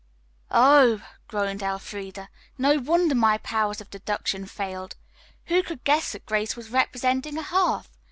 "Oh," groaned Elfreda. "No wonder my powers of deduction failed. Who could guess that Grace was representing a hearth?